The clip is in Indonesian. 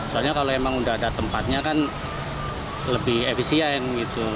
soalnya kalau emang udah ada tempatnya kan lebih efisien gitu